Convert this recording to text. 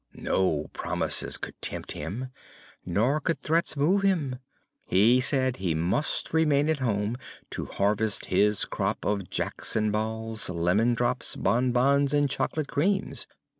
No promises could tempt him, nor could threats move him. He said he must remain at home to harvest his crop of jackson balls, lemon drops, bonbons and chocolate creams.